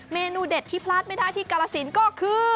เมนูเด็ดที่พลาดไม่ได้ที่กรสินก็คือ